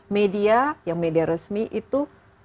media yang media resmi itu